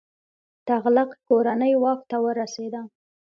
تغلق کورنۍ واک ته ورسیده.